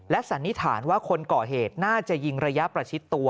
สันนิษฐานว่าคนก่อเหตุน่าจะยิงระยะประชิดตัว